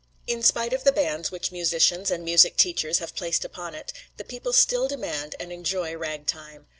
In spite of the bans which musicians and music teachers have placed upon it, the people still demand and enjoy ragtime.